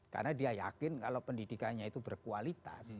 karena dia yakin kalau pendidikannya itu berkualitas